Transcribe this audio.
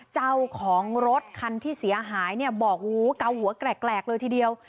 เจ้าของรถคันที่เสียหายเนี่ยบอกเกาหัวแกรกเลยทีเดียว